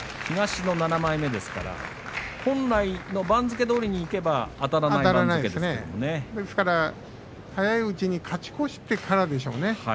東の７枚目ですから本来、番付どおりにいけばですからね早いうちに勝ち越してからでしょうね